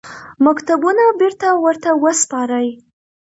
مکتوبونه بېرته ورته وسپاري.